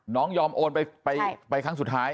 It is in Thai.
น้องยอมโอนไปไปครั้งสุดท้าย